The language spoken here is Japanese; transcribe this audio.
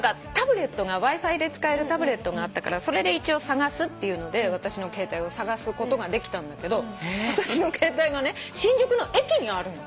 Ｗｉ−Ｆｉで使えるタブレットがあったからそれで一応「探す」っていうので私の携帯を捜すことができたんだけど私の携帯が新宿の駅にあるの。